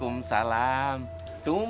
mungkin di sejarah kan